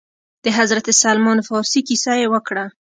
د حضرت سلمان فارس کيسه يې وکړه.